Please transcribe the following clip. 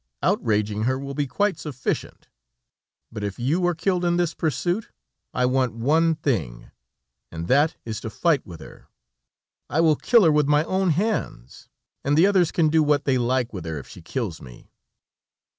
Outraging her will be quite sufficient; but if you are killed in this pursuit, I want one thing, and that is to fight with her; I will kill her with my own hands, and the others can do what they like with her if she kills me.